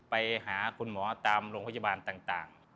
ไปหาคุณหมอตามโรงพยาบาลต่าง